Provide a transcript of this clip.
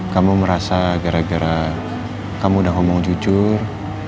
kamu merasa gara gara kamu udah ngomong jujur